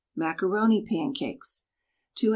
MACARONI PANCAKES. 2 oz.